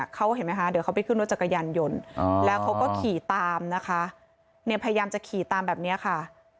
เขาเห็นไหมคะเดี๋ยวเขาไปขึ้นรถจักรยานยนต์แล้วเขาก็ขี่ตามนะคะเนี่ยพยายามจะขี่ตามแบบนี้ค่ะ